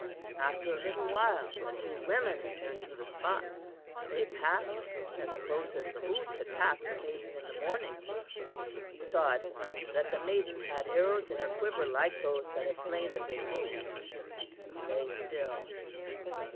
"After a little while the two women returned to the spot. They passed him as close as the moose had passed the maiden in the morning. He saw at once that the maiden had arrows in her quiver like those that had slain the big moose. He lay still.